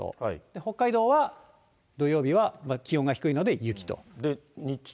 北海道は土曜日は気温が低いので雪と。